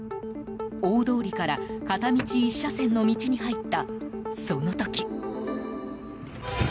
大通りから片道１車線の道に入ったその時。